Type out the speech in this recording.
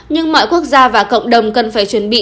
nhưng mọi quốc gia và cộng đồng cần phải chuẩn bị